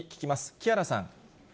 木原さん。